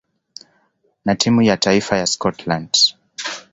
na timu ya taifa ya Scotland.